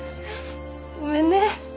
ごめんね。